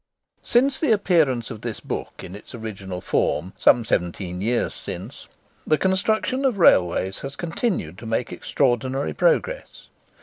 Since the appearance of this book in its original form, some seventeen years since, the construction of Railways has continued to make extraordinary progress.